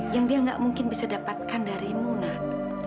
yang dia nggak mungkin bisa dapatkan darimu nak